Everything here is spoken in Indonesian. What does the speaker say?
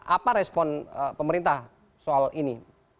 apa respon pemerintah soal ini